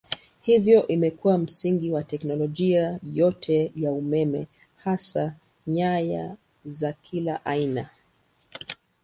Hivyo imekuwa msingi wa teknolojia yote ya umeme hasa nyaya za kila aina.